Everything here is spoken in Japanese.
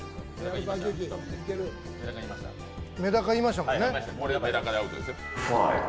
メダカ、言いましたもんね。